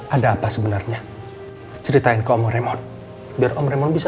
ada apa sebenarnya ceritain kamu remor biar om remo bisa